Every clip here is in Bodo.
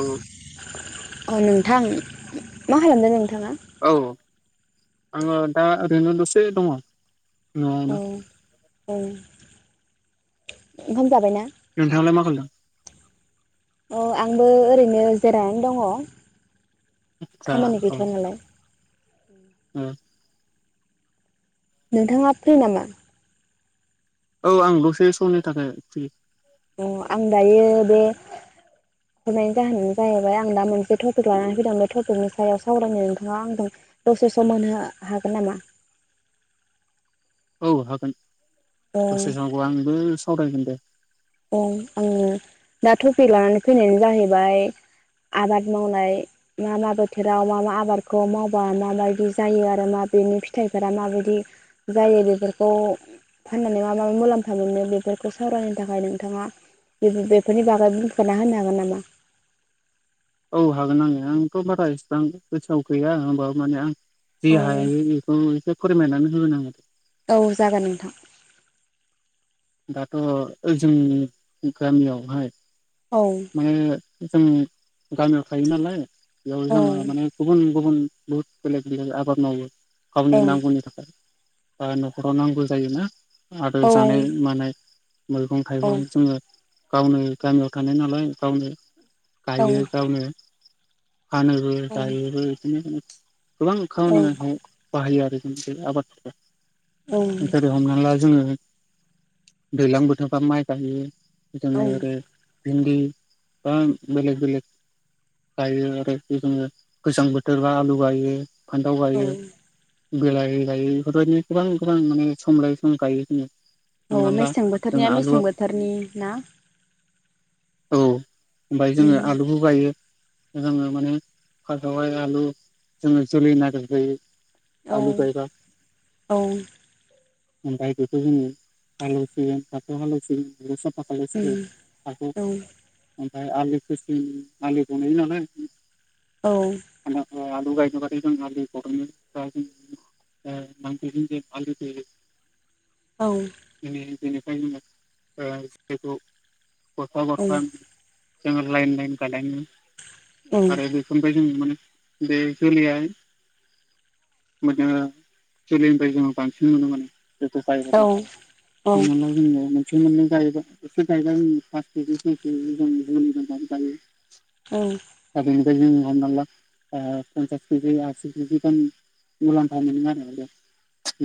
औ। अ नोंथां मा खालामदों नोंथाङा? औ आङो दा ओरैनो दसे दङ। औ न'आवनो औ ओंखाम जाबायना? नोंथाङालाय मा खालामदों? औ आंबो ओरैनो जिरायनानै दङ। खामानि गैथ'आ नालाय। उम। नोंथाङा फ्रि नामा? औ आं दसे समनि थाखाय फ्रि। अ आं दायो बे हरनायनि जाहोनानो जाहैबाय आं दा मोनसे टपिक लानानै फैदों बे टपिकनि सायाव सावरायनो नोंथाङा आंजों दसे समहोनो हागोन नामा? औ हागोन औ दसे समखौ आंबो सावरायगोन दे। औ आङो दा टपिक लानानै फैनायानो जाहैबाय आबाद मावनाय मा मा बोथोराव मा मा आबादखौ मावबा माबायदि जायो आरो मा बेनि फिथाइफोरा माबायदि जायो बेफोरखौ फाननानै मा मा मा मुलाम्फा मोनो बेफोरखौ सावरायनो थाखाय नों थाङा बेफोरनि बागै बुंफोरना होनो हागोन नामा? औ हागोन आङो आंथ' बारा इसेबां गोसोआव गैया होमबा माने आं जि औ हायो बेखौ एसे फोरमायनानै होगोन आङो। औ जागोन नोंथां। दाथ' जोंनि गामियावहाय औ माने जों गामियाव थायो नालाय बेयाव औ जोङो माने गुबुन गुबुन बहुत बेलेग बिबागनि आबाद मावो औ गावनि नांगौनि थाखाय। बा न'खराव नांगौ जायोना आरो जानाय औ मानाय मैगं थाइगं जोङो गावनो गामियाव थानाय नालाय गावनो औ गायो गावनो फानोबो जायोबो इदिनो गोबां खामानिहाव बाहायो आरो आबादफोरखौ इन्सादो हमना ला जोङो दैज्लां बोथोरबा माइ गायो। बिदोंनो औ आरै भिन्दि बा बेलग बेलग गायो आरो जोङो गोजां बोथोर बा आलु गायो। फान्थाव औ गायो बिलाहि गायो बेफोरबायदि। गोबां गोबां माने सम लायै सम गायो जोङो। औ हमना ला मेसें जों बोथोरनिया आलु मेसें बोथोरनि ना। औ ओमफ्राय उम जोङो आलुबो गायो। जोङो माने फार्सटआवहाय आलु जोङो जोलै नागिरग्रोयो। औ आलु गायबा औ। ओमफ्राय बेखौ जोङो हालौसिगोन बाथौ हालौसिगोन साफा खालामसिगोन। उम हाखौ ओमफ्राय आलुखौसिम आलुखौनो नेयो नालाय। औ [unintelligible] [unintelligible] औ बेनिखायनो जोङो जेखौ गरफा गरफा जोङो लाइन लाइन गायलाङो आरो बेखौनिफ्राय जोङो मोनो। दैखलियाय मोजा जोलैनिफ्राय जों बांसिन मानोमोन बेखौ गायबोदों हमना ला जोङो मोनसे मोननै गायबा एसे गायबाय। [unintelligible] औ बे जों हमना ला पन्सास केजि आसि केजि गान मुलाम्फा मोनो आरो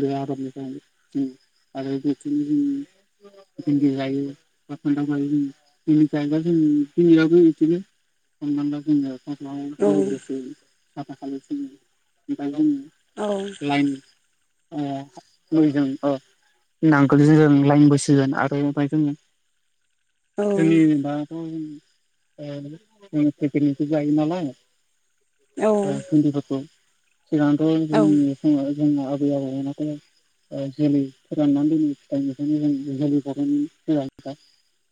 बे आदबनिफ्रायनो। आरो बिदिनो जों भिन्दि गायो। [unintelligible] [unintelligible] औ अ मैजों ओ। नांगोलजों जों लाइनबोसोगोन आरो ओफ्राय जोङो जोंनि बाथौ। जों फिफिलिफि गायो नालाय [unintelligible] जोंना आबै आबौमोनाथ'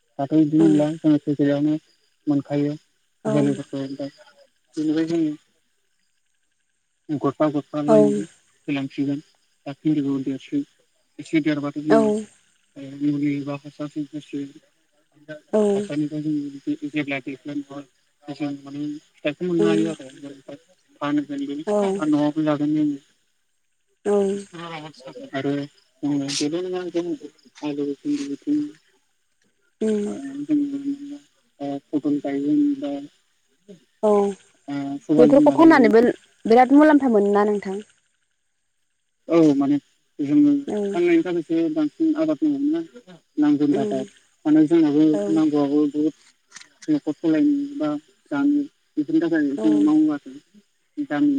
[unintelligible] बेफोरखौ [unintelligible] बेनिफ्राय जोङो गरफा गरफा लाइननि फोलाङो। [unintelligible] [unintelligible] [unintelligible] [unintelligible] [unintelligible] [unintelligible] उ फथल गायो बा औ सबाय बेफोरखौ बिमा गायगोन फाननानैबो बिराद मुलाम्फा मोनो ना नोंथां? औ माने जोङो औ फाननायनि थाखायसो बांसिन आबादबो मोनोना। नांगौनि उम थाखाय माने जोंनाबो औ नांगौआबो बहुद न'खर सलायनो बा जानो बेफोरनि थाखाय औ जोङो मावो आरो।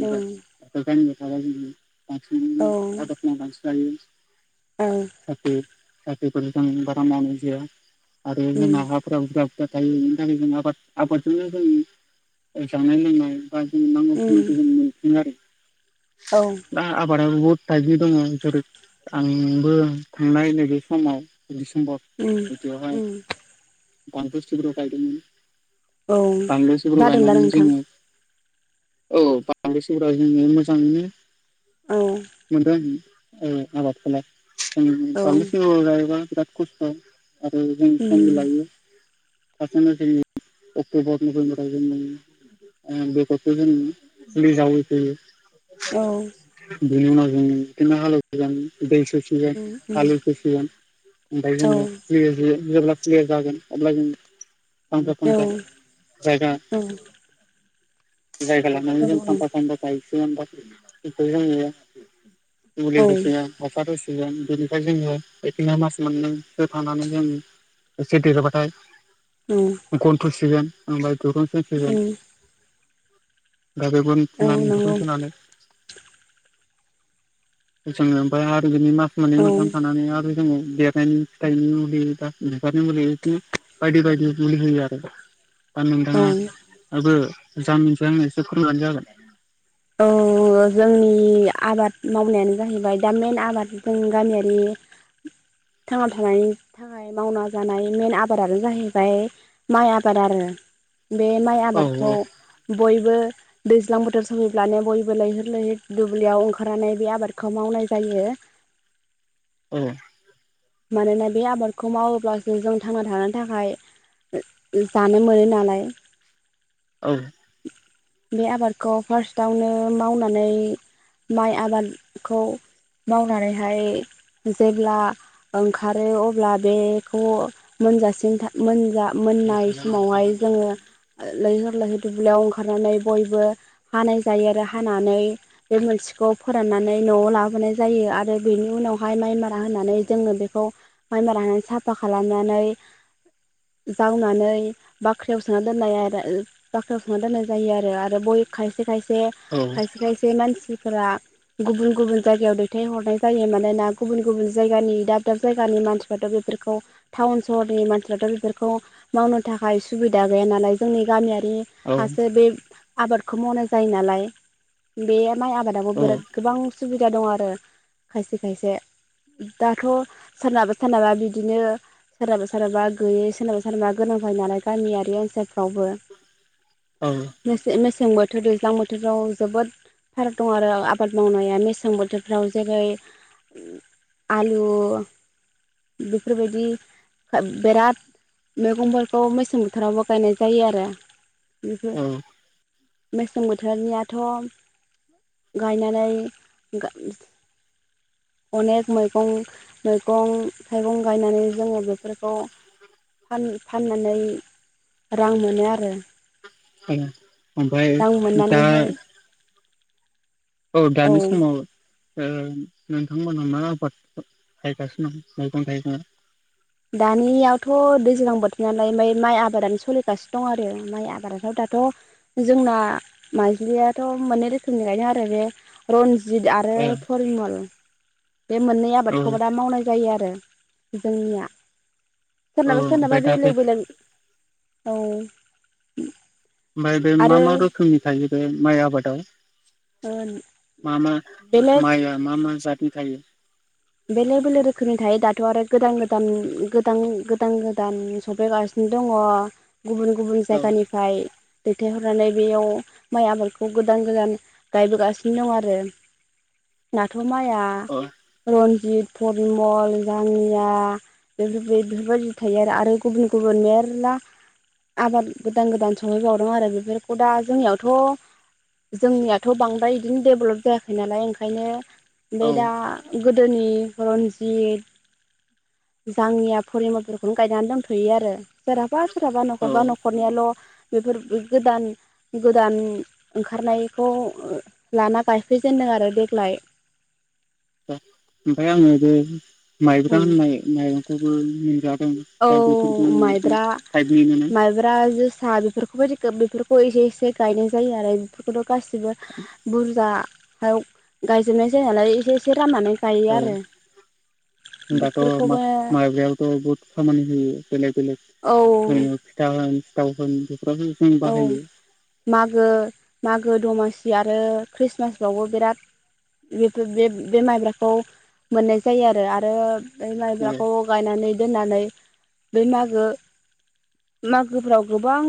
उम औ। आबाद मावनानैसो जायो साख्रि साख्रिफोरखौथ जों बारा मावनाय जाया। आरो उम जोंना हाफोरा बुरजा बुरजा थायो बेनि थाखाय जों आबाद आबादजोंनो जों जानाय लोंनाय। बा जों उम नांगौखिनिखौ जों मोनफिनो आरो। औ दा आबादा बहुद टाइपनि दङ जेरै आंबो थांनाय नैबे समाव दसेम्बर उम जानुवारिहाय उम बानलु सिब्र गायदोंमोन। औ बानलु सिब्र जादोंना गायनानै नोंथां जोङो औ बानलु सिब्र जोंमोजाङैनो औ मोनदों आंङो औ आबादखौलाय औ बानलु सिब्र गायबा बिराद खस्थ आरो जों उम समबो लायो [inaudible] अक्ट'बर नभेमबरावल मोनो। बेगरखौ जों फुलि जावै फैयो। औ बिनि उनाव जों बिदिनो हालौसिगोन दै सो सोगोन उम उम हालेवग्रोसिगोन आमफाय औ जोङो बेबायदिनो जेब्ला क्लियार जागोन अब्ला औ जों [inaudible] जायगा औ जायगा औ लानानै जों फांफा फांफा गायसिगोन बा बेखौ जोङो मुलि होसिगोन हासार होसिगोन बेनिफ्राय जोङो बेथिङै मास मोननैसो थांनानै जों एसे देरोबाथाय औ गन थु' सिगोन ओमफ्राय दुरुं सोंसिगोन उम [inaudible] गोदोनि औ नंगौ मास मोननै औ मोनथाम थानानै आरो जोङो देरनायनि फिथाइनि मुलि बिबारनि मुलि बिदिनो बायदि बायदि मुलि होयो आरो। दा नोंथाङाबो जामिनथियो आंनो एसे फोरोंबानो जागोन। औ जोंनि आबाद मावनायानो जाहैबाय दा मेन आबाद जों गामियारि थांना थानायनि थाखाय मावना जानाय मेन आबादानो जाहैबाय माइ आबाद आरो। बे माइ औ आबादखौ बयबो दैज्लां बोथोर सहैब्लानो बयबो लैहोर लैहोर दुब्लियाव ओंखारनानै बे आबादखौ मावनाय जायो। [inaudible] औ मानोना बे आबादखौ मावोब्लासो जों थांना थानो थाखाय जानो मोनो नालाय औ बे आबादखौ फार्स्टआवनो मावनानै माइ आबादखौ मावनानैहाय जेब्ला ओंखारो अब्ला बेखौ मोनजासिन मोनजा मोननाय समावहाय जोङो लैहोर दुब्लियाव ओंखारनानै बयबो हानाय जायो आरो हानानै बे मोनसेखौ फोरान नानै नआव लाबोनाय जायो आरो बेनि उनावहाय माय मारा होनानै जोंङो बे खौ माइ मारा होनानै साफा खालामनानै जावनानै बाख्रियाव सोना दोननाय आरो बाख्रियाव सोनना दोननाय जायो आरो ब खायसे खायसे औ खायसे खायसे मानसि फोरा गुबुन गुबुन जायगायाव दैथायहरनाय जायो मानोना गुबुन गुबुन जायगानि दा दाब जायगानि मानसिफ्राथ' बेफोरखौ टाउन सहरनि मानसिफ्राथ' बेफोरखौ मावनो थाखाय सुबिदा जायानालाय जोंनि गामिया बि औ हारसिं बे आबादखौ मावनाय जायो नालाय बे माइ आबाद आबो औ गोबां सुबिदा दं आरो खायसे खायसे दाथ' सोरनाबा सोरनाबा बिदिनो सोरहाबा सोरहाबा गैयि सोरनाबा सोरनाबा गोनां जायो नालाय गामियारि ओनसोल औ मेसें मेसें बोथोर दैज्लां बोथोराव जोबोद फाराग दं आरो आबाद मावनाया मेसें बोथोरफ्राव जेरै आलु बेफोरबायदि बेराद मैगंफोरखौ मैसें बोथोरावबो गायनाय जायो आरो बेफोर औ मेसें बोथोरनियाथ' गायनानानै अनेक मैगं मैगं थाइगं गायनानै जोङो बेफोरखौ सान फाननानै रां मोनो आरो ओम ओमफ्राय रां दा मोननानैहाय औ दानि समाव ओ नोंथांमोनहा मा आबाद गायगासिनो दं मैगं थाइगं दानियावथ' दैज्लां बोथोर नालाय ओमफ्राय माइ आबादानो सोलिगासिनो दं आरो माइ आबादाथ' दा जोंना माइजलि आथ मोननै रोखोमनि गायदों आरो रन्जित जिद आरो औ फरिमल बे मोननै औ आबादखौबो दा मावनाय जायो आरो जोनिया सोरनाबा सोरनाबा ओमफ्राय दा बे जौ [unintelligible] औ ओमफ्राय बे मा आरो मा रोखोमनि थायो बे माइ आबादाव ओम मा मा माइया मा मा जातनि थायो बेलेग बेलेग रोखोमनि थायो दाथ' आरो गोदान गोदान गोदान गोदान गोदान सफायगासिनो दङ गुबुन गुबुन औ जायगानिफ्राय दैथायहरनानै बेयाव माइ आबादखौ गोदान गोदान गायबोगासिनो दंङ आरो। नाथ' माइया औ रनजित फरमल जाङिया बेफोरबायदि आरो गुबुन गुबुन मेरला आबाद गोदान गोदान सफैबावदों आरो बेफोरखौ दा जोंनियावथ' जोंनियाथ' बांद्राय बिदिनो डेभलप जायाखै नालाय ओंखायनो बे औ दा गोदोनि रन्जित जांङिया फरिमलफोरखौनो गायनानै दोनथ'यो आरो सोरहाबा सोरहाबा औ न'खरबा न'खरनियाल' बेफोर गोदान गोदान ओंखारनायखौ लाना गायफैजेनो आरो देग्लाय ओमफ्राय आङो बे माइब्रा होननाय माइरंखौबो मोन औ [unintelligible] सा एसे एसे गायनाय जायो आरो बेफोरखौथ' गासिबो बुरजा फ्राइ गायजोबनाय जायानालाय एसे एसे राननानै गायो औ आरो दाथ' बेफोरखौबो माइ [unintelligible] खामानि होयो बेलेग बेलग औ [unintelligible] औ मागो मागो दमासि आरो ख्रिस्टमास आवबो बिराद जिथु बे बे माइब्राखौ मोननाय जायो आरो बे औ माइब्राखौ जानो न आव दोननानै बे मागो मागोफ्राव गोबां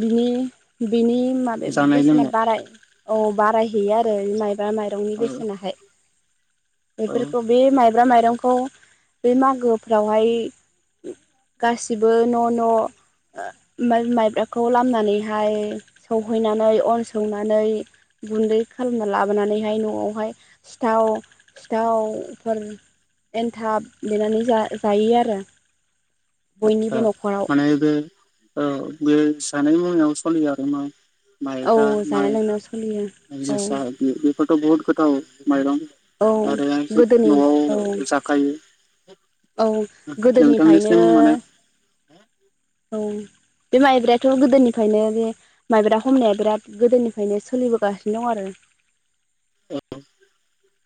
बिनि बिनि माबा जानाय बेसेना लोंनाय बाराय औ बारायहैयो आरो माइबा माइरंनि औ बेसेनाहाय औ बेफोरखौ बे माइब्रा माइरंखौ बे मागोफ्रावहाय गासिबो न' न' माय ब्राखौ लामनानैहाय सौहैनानै अन सौनानै गुन्दै खालामना लाबोनानै नानैहाय न'आवहाय सिथाव सिथावफोर एन्थाब देनानै जायो आरो आतसा बयनिबो न'खराव माने बे औ बे जानै मुवायाव सोलियो आरो ना औ माइब्रा जानाय लोंनायाव सोलियो माइ औ जोसा बेफोरथ' बहुत गोथाव माइरं औ आरोलाय गोदोनि न'आव औ जाखायो औ नोंथां गोदोनिफ्रायनो निसिम माने औ बे माइब्रायाथ' गोदोनिफ्रायनो बे माइब्रा हमनाया बिराद गोदोनिफ्रायनो सोलिबोगासिनो दं आरो [inaudible] औ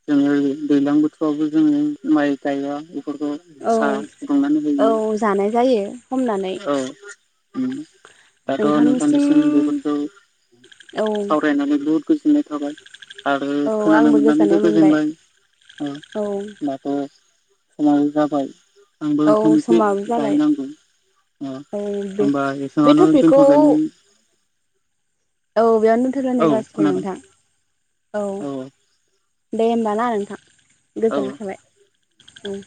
जोङो दैज्लां बोथोरावबो जोङो माइ गायबा फोरखौ औ साहा फुदुंनानै औ होयो जानाय जायो हमनानै औ उम दाथ' नोंथांनिसिम बेफोरखौ औ सावरायनानै बहुद गोजोननाय थाबाय आरो औ खोनानो आंबो मोननानैबो गोजोननाय मोनबाय गोजोनबाय औ दाथ' समाबो जाबाय आंबो औ ओंखाम एसे समाबो जाबाय जाहैनांगौ औ बे होनबा बे बेखिनियावनो टपिकखौ दोनथ'लायदोनि औ बेयावनो औ दोथलायनाय जासिगोन खोनादों नोंथां औ दे होमबा ना नोंथां औ औ गोजोननाय थाबाय औ